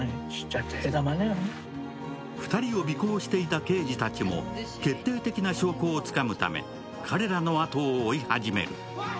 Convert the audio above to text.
２人を尾行していた刑事たちも決定的な証拠をつかむため彼らのあとを追い始める。